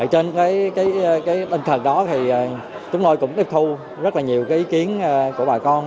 trên cái linh thần đó thì chúng tôi cũng tiếp thu rất là nhiều cái ý kiến của bà con